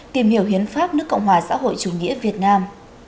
tìm hiểu hiến pháp nước cộng hòa xã hội chủ nghĩa việt nam